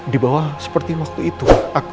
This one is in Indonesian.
dibawa seperti waktu itu